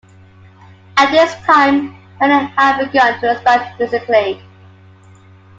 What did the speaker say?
At this time, Brennan had begun to expand musically.